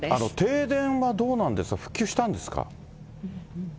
停電はどうなんですか、復旧したんですか？